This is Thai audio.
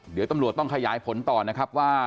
เดี๋ยวตำรวจต้องขยายผลต่อนะครับว่า